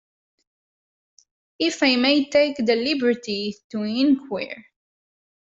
If I may take the liberty to inquire.